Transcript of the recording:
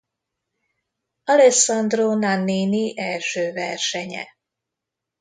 Alessandro Nannini első versenye.